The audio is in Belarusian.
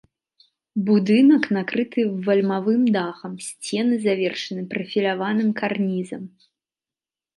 Будынак накрыты вальмавым дахам, сцены завершаны прафіляваным карнізам.